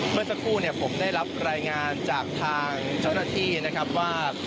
เมื่อสักครู่ผมได้รับรายงานจากทางเจ้าหน้าที่นะครับว่า